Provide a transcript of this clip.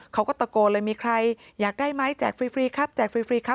เขาก็ตะโกนเลยมีใครอยากได้ไหมแจกฟรีครับแจกฟรีครับ